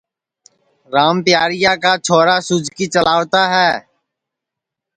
رام پیاریا کا چھورا سُوجکی چلاوتا ہے